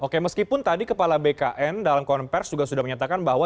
oke meskipun tadi kepala bkn dalam konversi juga sudah menyatakan bahwa